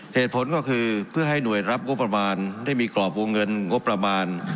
เหตุผลก็คือเพื่อให้หน่วยรับงบประมาณได้มีกรอบวงเงินงบประมาณ